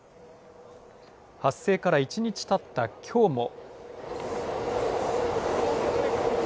発生から１日たったきょうも。